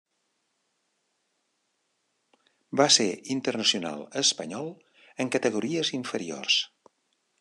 Va ser internacional espanyol en categories inferiors.